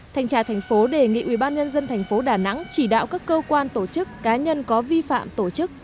thành trà thành phố đề nghị ủy ban nhân dân thành phố đà nẵng chỉ đạo các cơ quan tổ chức cá nhân có vi phạm tổ chức